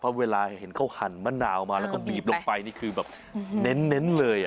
เพราะเวลาเห็นเขาหั่นมะนาวมาแล้วก็บีบลงไปนี่คือแบบเน้นเลย